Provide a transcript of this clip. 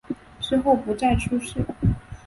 之后不再出仕。